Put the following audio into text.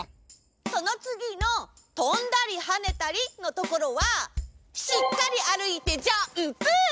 そのつぎの「とんだりはねたり」のところはしっかりあるいてジャンプ！